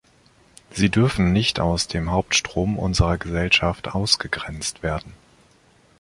Sie dürfen nicht aus dem Hauptstrom unserer Gesellschaft ausgegrenzt werden.